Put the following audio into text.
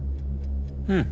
うん。